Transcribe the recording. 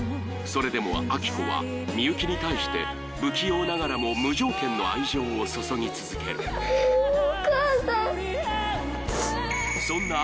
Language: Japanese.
それでも亜希子はみゆきに対して不器用ながらも無条件の愛情を注ぎ続けるお母さん